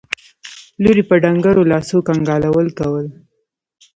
لور يې په ډنګرو لاسو کنګالول کول.